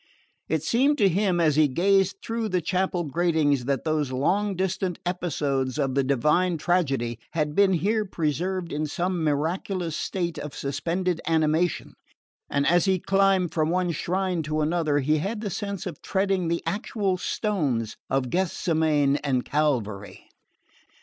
It seemed to him, as he gazed through the chapel gratings, that those long distant episodes of the divine tragedy had been here preserved in some miraculous state of suspended animation, and as he climbed from one shrine to another he had the sense of treading the actual stones of Gethsemane and Calvary.